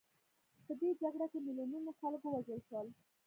په دې جګړه کې میلیونونو خلک ووژل شول.